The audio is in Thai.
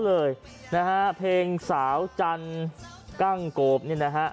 เลยนะฮะเพลงสาวจันกั้งโกบนี่นะฮะ